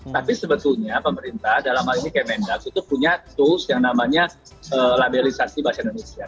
tapi sebetulnya pemerintah dalam hal ini kemendak itu punya tools yang namanya labelisasi bahasa indonesia